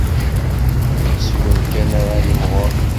Yes-wen kan ara nimɣur.